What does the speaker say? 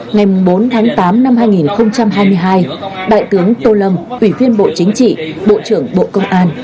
ngày bốn tháng tám năm hai nghìn hai mươi hai đại tướng tô lâm ủy viên bộ chính trị bộ trưởng bộ công an